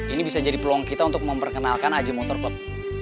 ini bisa jadi peluang kita untuk memperkenalkan aji motor club